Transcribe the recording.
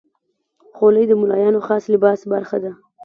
خولۍ د ملایانو خاص لباس برخه ده.